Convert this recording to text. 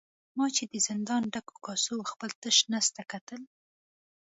ما چې د زندان ډکو کاسو او خپل تش نس ته کتل.